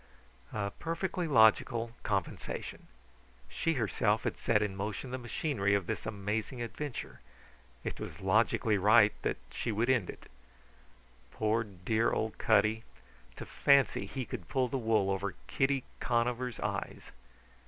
A perfectly logical compensation. She herself had set in motion the machinery of this amazing adventure; it was logically right that she should end it. Poor dear old Cutty to fancy he could pull the wool over Kitty Conover's eyes!